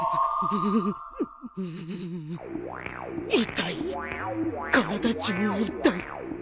痛い体中が痛い